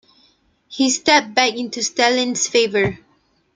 He stepped back into Stalin's favor.